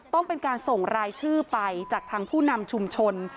ต้องเป็นการส่งรายชื่อไปจากทางผู้นำชุมชน